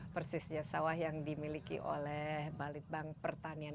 persisnya sawah yang dimiliki oleh balitbank pertanian